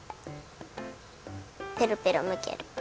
ペロペロむける。